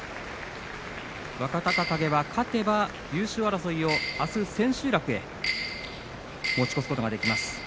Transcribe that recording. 若隆景は勝てば優勝争いのあす千秋楽へ持ち越すことができます。